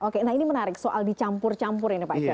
oke nah ini menarik soal dicampur campur ini pak